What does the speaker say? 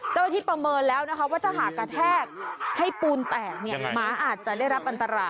เจ้าหน้าที่ประเมินแล้วว่าถ้ากระแทกให้ปูนแตกนี่ม้าอาจจะได้รับอันตราย